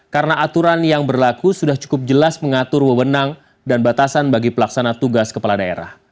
karena aturan yang berlaku sudah cukup jelas mengatur wewenang dan batasan bagi pelaksana tugas kepala daerah